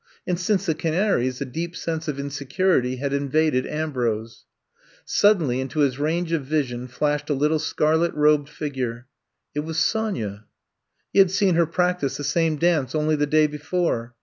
And since the canaries a deep sense of insecur ity had invaded Ambrose. Suddenly into his range of vision flashed a little scarlet robed figure. It was Sonya I He had seen her practise the same dance only the day before.